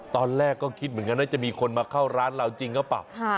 ตอนแรกก็คิดเหมือนกันว่าจะมีคนมาเข้าร้านเราจริงหรือเปล่า